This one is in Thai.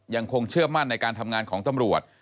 ยังคงเชื่อมั่นในการทำงานของตำรวจ